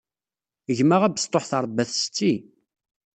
Gma abesṭuḥ teṛebba-t setti.